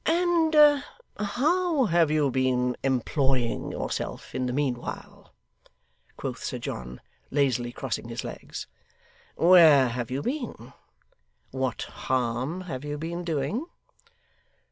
'And how have you been employing yourself in the meanwhile?' quoth Sir John, lazily crossing his legs. 'Where have you been? what harm have you been doing?